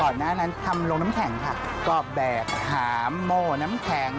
อ่อนหน้านั้นทำลงน้ำแข็งค่ะกรอบแบบหามโม้น้ำแข็ง